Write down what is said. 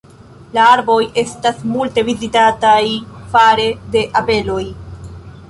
La arboj estas multe vizitataj fare de abeloj.